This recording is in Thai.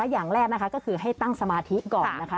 อย่างแรกนะคะก็คือให้ตั้งสมาธิก่อนนะคะ